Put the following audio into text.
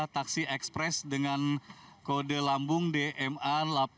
taksi ekspres dengan kode lambung dma delapan ribu tiga ratus dua puluh sembilan